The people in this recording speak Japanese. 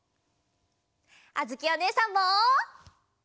あづきおねえさんも！